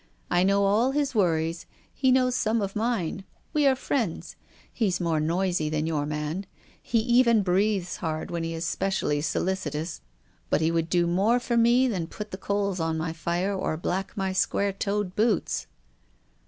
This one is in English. " I know all his worries. He knows some of mine. We are friends. He's more noisy than your man. He even breathes hard when he is specially solici tous, but he would do more for me than put the coals on my fire, or black my square toed boots."